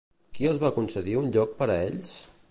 Qui els va concedir un lloc per a ells?